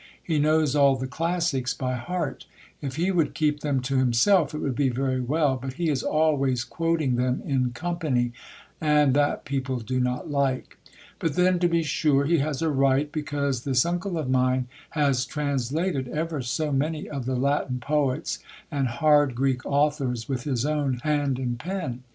He knows all the classics by heart If he. would keep them to himself it would be very well, but he is always quoting them in com pany, and that people do not like. But then to be sure he has a right, because this uncle of mine has translated ever so many of the Latin poets and hard Greek authors with his own hand and pen.